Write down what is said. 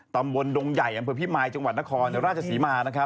ตำวนดงใหญ่อำเภอพี่มายจังหวัดนครราชสีมา